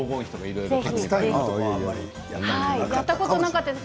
やったことなかったです。